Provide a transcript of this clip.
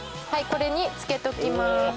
これにつけときます